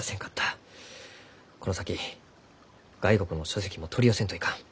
この先外国の書籍も取り寄せんといかん。